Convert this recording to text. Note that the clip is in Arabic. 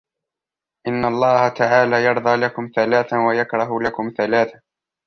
إنَّ اللَّهَ تَعَالَى يَرْضَى لَكُمْ ثَلَاثًا وَيَكْرَهُ لَكُمْ ثَلَاثًا